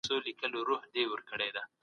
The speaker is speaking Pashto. په قیامت کي به د هر څه حساب کیږي.